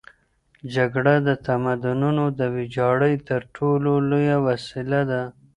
جګړه د تمدنونو د ویجاړۍ تر ټولو لویه وسیله ده.